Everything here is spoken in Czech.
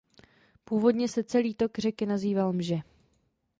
Původně se celý tok řeky nazýval Mže.